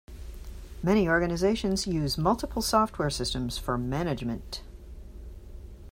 Many organizations use multiple software systems for management.